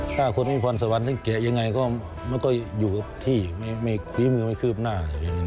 ถ้าคนมีพรสวรรค์ที่เกะยังไงก็มันก็อยู่ที่ไม่คุ้มมือไม่คืบหน้า